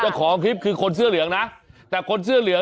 หรือคนนึงคือคนเสื้อเหลืองนะแต่คนเสื้อเหลือง